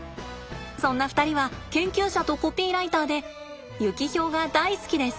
そんな２人は研究者とコピーライターでユキヒョウが大好きです。